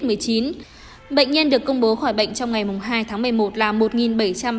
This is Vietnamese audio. bệnh nhân được công bố khỏi bệnh trong ngày hai tháng một mươi một là một bảy trăm ba mươi